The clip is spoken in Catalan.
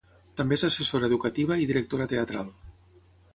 També és assessora educativa i directora teatral.